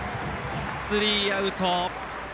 スリーアウト。